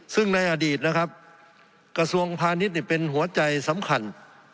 ซึ่งในอดีตนะครับกระทรวงพาณิชย์เป็นหัวใจสำคัญ